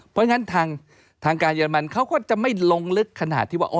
เพราะฉะนั้นทางการเยอรมันเขาก็จะไม่ลงลึกขนาดที่ว่า